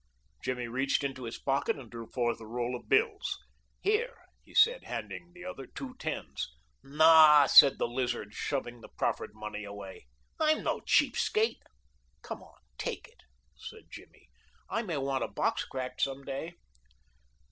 Jimmy reached into his pocket and drew forth a roll of bills. "Here," he said, handing the other two tens. "Naw," said the Lizard, shoving the proffered money away. "I'm no cheap skate." "Come on take it," said Jimmy. "I may want a box cracked some day."